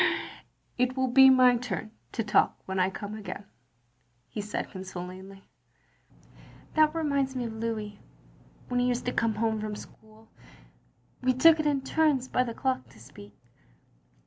" It will be my turn to talk when I come again, " he said consolingly. "That reminds me of Louis; when he used to come home from school, we took it in turns by the clock, to speak.